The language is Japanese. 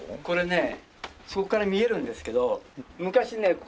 これねそこから見えるんですけど昔ね